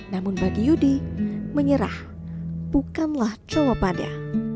namun bagi yudi menyerah bukanlah jawabannya